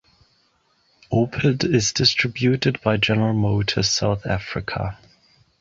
Opel is distributed by General Motors South Africa.